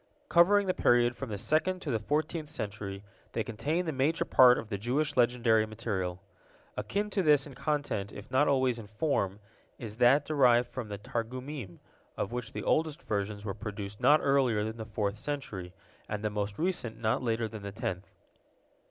Covering the period from the second to the fourteenth century, they contain the major part of the Jewish legendary material. Akin to this in content if not always in form is that derived from the Targumim, of which the oldest versions were produced not earlier than the fourth century, and the most recent not later than the tenth.